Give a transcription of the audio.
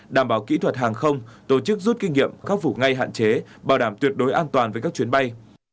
đảm bảo kỹ thuật hàng không tổ chức rút kinh nghiệm khắc phục ngay hạn chế bảo đảm tuyệt đối an toàn với các chuyến bay